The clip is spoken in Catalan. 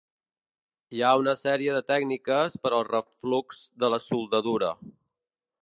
Hi ha una sèrie de tècniques per al reflux de la soldadura.